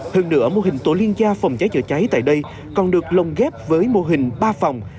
hơn nữa mô hình tổ liên gia phòng cháy chữa cháy tại đây còn được lồng ghép với mô hình ba phòng